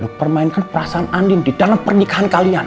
lo permainkan perasaan andi di dalam pernikahan kalian